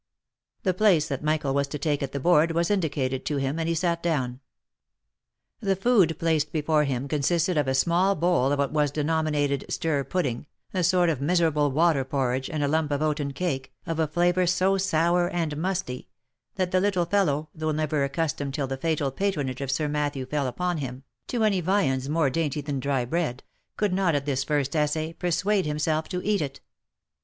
The place that Michael was to take at the board was indicated to him, and he sat down. The food placed before him consisted of a small bowl of what was denominated stir pudding, a sort of miserable OF MICHAEL ARMSTRONG. 183 water porridge, and a lump of oaten cake, of a flavour so sour and musty, that the little fellow, though never accustomed till the fatal patronage of Sir Matthew fell upon him, to any viands more dainty than dry bread, could not at this first essay persuade himself to eat it.